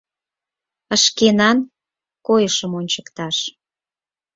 Шкенан койышым ончыкташ.